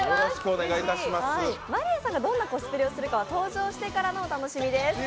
真莉愛さんがどんなコスプレをするかは登場してからのお楽しみです。